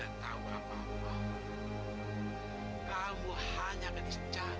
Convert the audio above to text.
ada apa dengan gadis itu